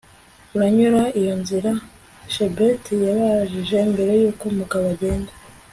uranyura iyo nzira? chebet yabajije mbere yuko umugabo agenda